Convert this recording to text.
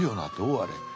あれ。